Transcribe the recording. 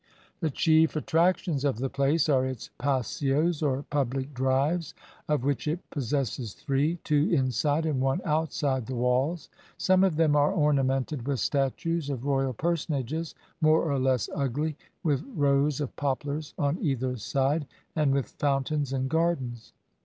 The chief attractions of the place are its paseos or public drives, of which it possesses three, two inside, and one outside the walls. Some of them are ornamented with statues of royal personages, more or less ugly, with rows of poplars on either side, and with fountains and gardens.